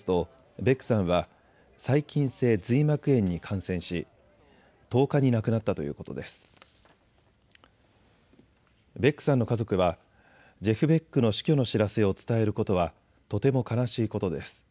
ベックさんの家族はジェフ・ベックの死去の知らせを伝えることはとても悲しいことです。